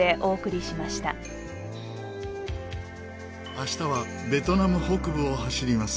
明日はベトナム北部を走ります。